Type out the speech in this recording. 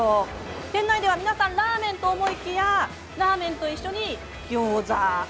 店内では皆さんラーメンと思いきやラーメンと一緒に餃子。